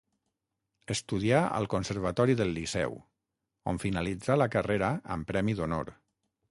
Estudià al Conservatori del Liceu on finalitzà la carrera amb Premi d'Honor.